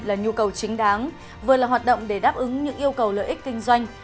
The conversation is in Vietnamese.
là nhu cầu chính đáng vừa là hoạt động để đáp ứng những yêu cầu lợi ích kinh doanh